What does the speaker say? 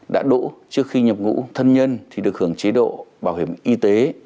đã đỗ trước khi nhập ngũ thân nhân thì được hưởng chế độ bảo hiểm y tế